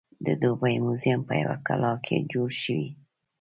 د دوبۍ موزیم په یوه کلا کې جوړ شوی.